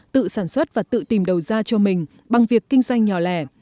tự sản xuất và tự tìm đầu ra cho mình bằng việc kinh doanh nhỏ lẻ